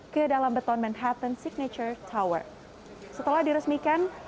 ke dalam beton manhattan signature tower